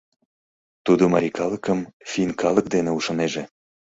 — Тудо марий калыкым финн калык дене ушынеже.